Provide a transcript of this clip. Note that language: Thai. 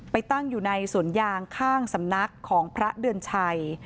ตั้งอยู่ในสวนยางข้างสำนักของพระเดือนชัย